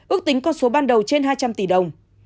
ước tính con số ban đầu trên hai trăm linh tỷ đồng